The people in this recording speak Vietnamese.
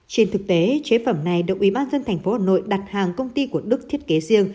trên thực tế chế phẩm này được ubnd tp hà nội đặt hàng công ty của đức thiết kế riêng